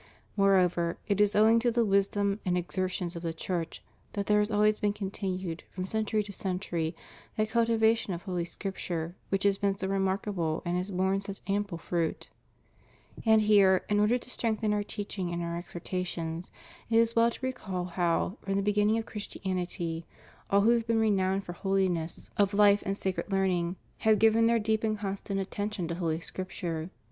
Moreover, it is o"wdng to the wisdom and exertions of the Church that there has always been continued, from century to century, that cultivation of Holy Scripture which has been so remarkable and has borne such ample fruit. And here, in order to strengthen Our teaching and Our exhortations, it is well to recall how, from the beginning of Christianity, all who have been renowned for holiness of ' S. Hier. in Mic. i. 10. * Cone. Trid. sess. v. decret. de refonn, 1. » Ibid 1, 2, 27g THE STUDY OF HOLY SCRIPTURE. life and sacred learning have given their deep and constant attention to Holy Scripture.